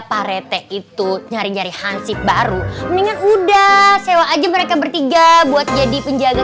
parete itu nyari nyari hansip baru mendingan udah sewa aja mereka bertiga buat jadi penjaga